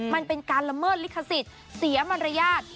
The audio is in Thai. มันเป็นการละเมิดลิขสิทธิ์เสียมารยาท